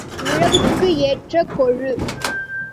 உழவுக்கு ஏற்ற கொழு.